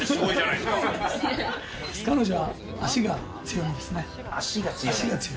彼女は足が強いんですね。